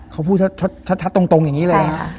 เขาพูดชัดตรงอย่างนี้เลยนะ